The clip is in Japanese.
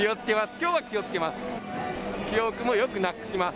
きょうは気をつけます。